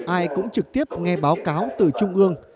ai cũng trực tiếp nghe báo cáo từ trung ương